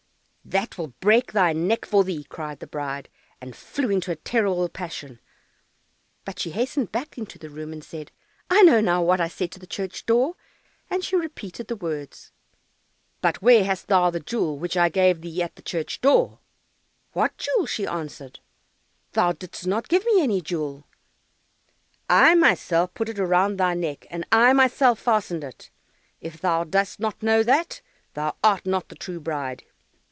"That will break thy neck for thee!" cried the bride, and flew into a terrible passion, but she hastened back into the room, and said, "I know now what I said to the church door," and she repeated the words. "But where hast thou the jewel which I gave thee at the church door?" "What jewel?" she answered; "thou didst not give me any jewel." "I myself put it round thy neck, and I myself fastened it; if thou dost not know that, thou art not the true bride."